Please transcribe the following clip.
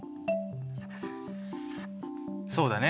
そうだね。